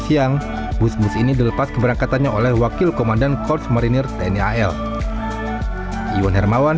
siang bus bus ini dilepas keberangkatannya oleh wakil komandan korps marinir tni al iwan hermawan